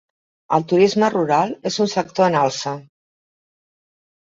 El turisme rural és un sector en alça.